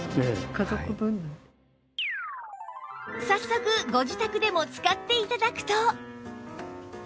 早速ご自宅でも使って頂くと